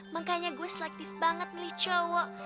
makanya gue selektif banget milih cowok